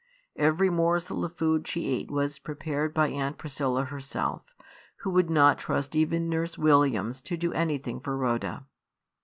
Every morsel of food she ate was prepared by Aunt Priscilla herself, who would not trust even Nurse Williams to do anything for Rhoda.